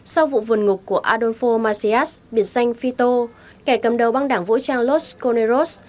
sau vụ vườn ngục của adolfo macias biệt danh fito kẻ cầm đầu băng đảng vũ trang los coneros